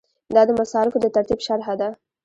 دا د مصارفو د ترتیب شرحه ده.